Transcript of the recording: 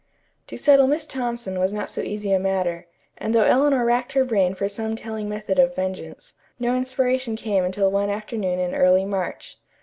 To settle Miss Thompson was not so easy a matter, and though Eleanor racked her brain for some telling method of vengeance, no inspiration came until one afternoon in early March.